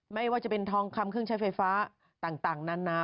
ไม่ว่าจะเป็นทองคำเครื่องใช้ไฟฟ้าต่างนานา